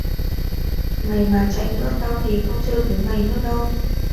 Mày mà chạy nữa tao thề không chơi với mày nữa đâu